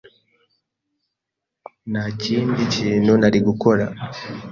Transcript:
Nta kindi kintu nari gukora